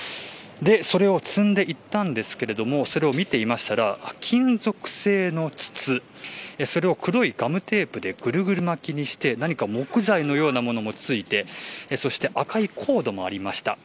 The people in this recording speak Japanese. それを積んでいったんですけれどもそれを見ていたら、金属製の筒それを黒いガムテープでぐるぐる巻きにして何か木材のようなものもついてそして赤いコードもありました。